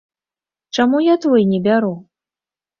Чаму я твой не бяру?